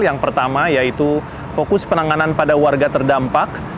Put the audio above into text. yang pertama yaitu fokus penanganan pada warga terdampak